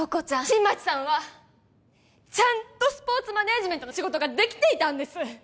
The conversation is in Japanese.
新町さんはちゃんとスポーツマネージメントの仕事ができていたんです